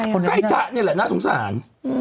ใกล้จ๊ะนี่แหละน่าสงสาร